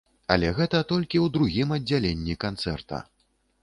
Але гэта толькі ў другім аддзяленні канцэрта.